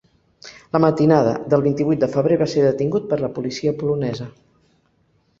La matinada del vint-i-vuit de febrer va ser detingut per la policia polonesa.